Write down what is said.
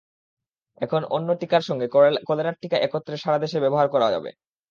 এখন অন্য টিকার সঙ্গে কলেরার টিকা একত্রে সারা দেশে ব্যবহার করা যাবে।